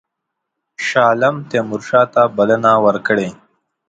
شاه عالم تیمورشاه ته بلنه ورکړې.